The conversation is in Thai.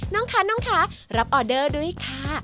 น้องคะน้องคะรับออเดอร์ด้วยค่ะ